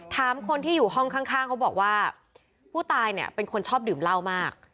ถามคนที่อยู่ห้องข้างเขาบอกว่าผู้ตายเนี่ยเป็นคนชอบดื่มเหล้ามาก